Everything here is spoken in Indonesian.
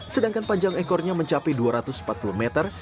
sedangkan panjang ekornya mencapai dua ratus empat puluh meter